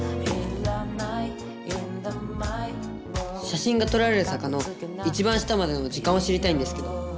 写真が撮られる坂の一番下までの時間を知りたいんですけど。